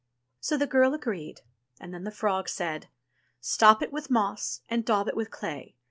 So the girl agreed, and then the frog said : "Stop it with moss and daub it with clay.